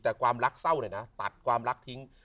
แต่ความรักเศร้าเนี่ยนะตัดความรักทิ้ง